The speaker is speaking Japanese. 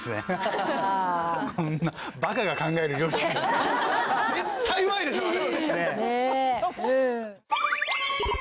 こんなバカが考える料理絶対うまいでしょあれ。